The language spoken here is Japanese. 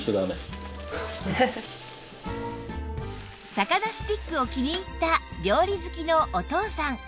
魚スティックを気に入った料理好きのお父さん